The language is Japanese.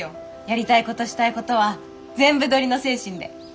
やりたいことしたいことは全部取りの精神で。